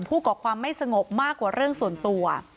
ก่อความไม่สงบมากกว่าเรื่องส่วนตัว